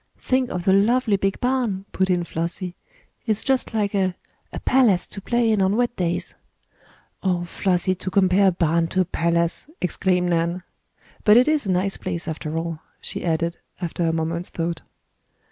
"Think of the lovely big barn," put in Flossie. "It's just like a a palace to play in on wet days!" "Oh, Flossie, to compare a barn to a palace!" exclaimed Nan. "But it is a nice place after all," she added, after a moment's thought.